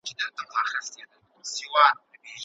تاسو د ټولنیز پوهاوي کچه لوړه کړئ.